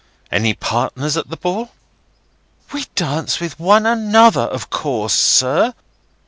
"Any partners at the ball?" "We danced with one another, of course, sir.